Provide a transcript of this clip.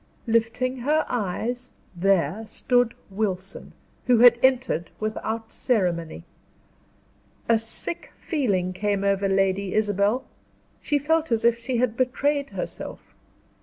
Lifting her eyes, there stood Wilson, who had entered without ceremony. A sick feeling came over Lady Isabel: she felt as if she had betrayed herself.